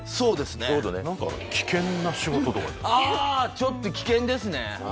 あちょっと危険ですね。